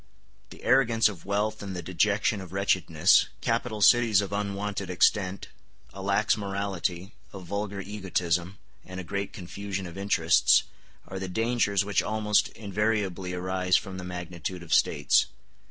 The arrogance of wealth and the dejection of wretchedness, capital cities of unwonted extent, a lax morality, a vulgar egotism, and a great confusion of interests, are the dangers which almost invariably arise from the magnitude of States.